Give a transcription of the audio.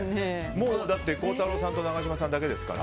もうだって孝太郎さんと永島さんだけですから。